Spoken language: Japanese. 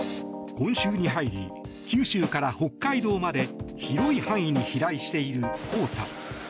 今週に入り九州から北海道まで広い範囲に飛来している黄砂。